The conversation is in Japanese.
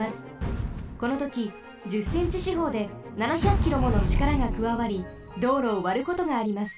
このとき１０センチしほうで７００キロものちからがくわわり道路をわることがあります。